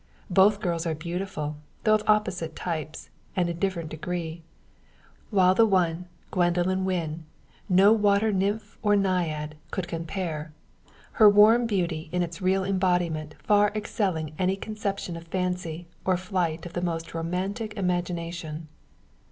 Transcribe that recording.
Both girls are beautiful, though of opposite types, and in a different degree; while with one Gwendoline Wynn no water Nymph, or Naiad, could compare; her warm beauty in its real embodiment far excelling any conception of fancy, or flight of the most romantic imagination.